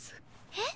えっ！？